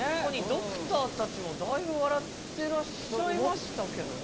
ドクターたちもだいぶ笑ってらっしゃいましたけどね。